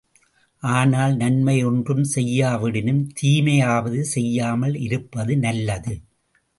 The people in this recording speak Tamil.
ஆனால், நன்மை ஒன்றும் செய்யாவிடினும் தீமையாவது செய்யாமல் இருப்பது நல்லது.